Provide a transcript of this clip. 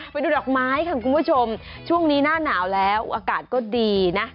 ไปดูดอกไม้ค่ะคุณผู้ชมช่วงนี้หน้าหนาวแล้วอากาศก็ดีนะ